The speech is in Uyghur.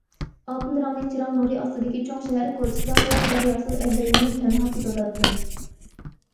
ئالتۇن رەڭلىك چىراغ نۇرى ئاستىدىكى چوڭ شەھەر كوچىسىدا خىيال دەرياسىدا ئەللەيلىنىپ تەنھا كېتىۋاتاتتىم.